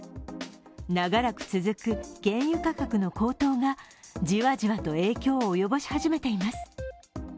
長らく続く原油価格の高騰がじわじわと影響を及ぼし始めています。